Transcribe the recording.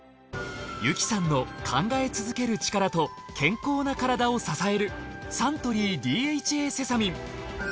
由紀さんの考え続けるチカラと健康なカラダを支えるサントリーＤＨＡセサミン。